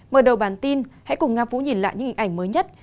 mở đầu bản tin hãy cùng nga vũ nhìn lại những hình ảnh mới nhất